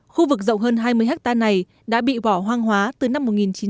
khu vực rộng hơn hai mươi ha này đã bị bỏ hoang hóa từ năm một nghìn chín trăm bảy mươi năm